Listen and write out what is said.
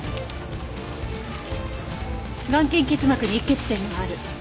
眼瞼結膜に溢血点もある。